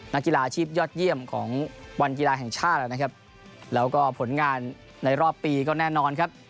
นักกีฬาอาชีพยอดเยี่ยมของวันกีฬาแห่งชาติแล้วนะครับแล้วก็ผลงานในรอบปีก็แน่นอนครับ